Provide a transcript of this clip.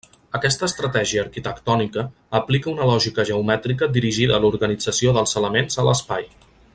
Aquesta estratègia arquitectònica aplica una lògica geomètrica dirigida a l'organització dels elements a l'espai.